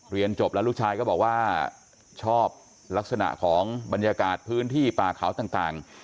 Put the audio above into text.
เรียนจบแล้วลูกชายก็บอกว่าชอบลักษณะของบรรยากาศพื้นที่ป่าเขาต่าง